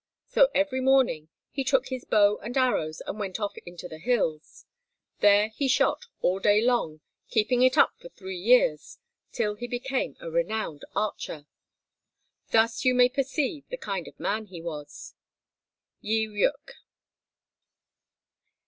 So every morning he took his bow and arrows and went off into the hills. There he shot all day long, keeping it up for three years, till he became a renowned archer. Thus you may perceive the kind of man he was. Yi Ryuk.